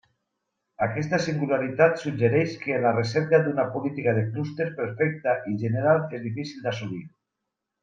Aquesta singularitat suggereix que la recerca d'una política de clústers perfecta i general és difícil d'assolir.